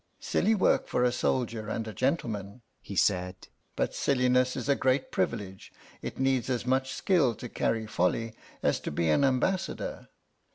"Silly work for a soldier and a gentleman," he said, "but silliness is a great privilege. It needs as much skill to carry folly as to be an ambassador.